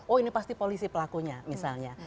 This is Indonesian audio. oh ini pasti polisi pelakunya misalnya